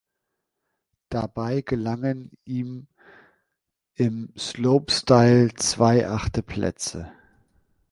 Dabei gelangen ihm im Slopestyle zwei achte Plätze.